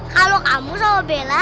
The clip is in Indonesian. kalau kamu sama bella